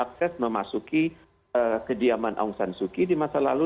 akses memasuki kediaman aung san suu kyi di masa lalu